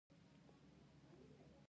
دوی فلزات او معدنونه استخراجوي.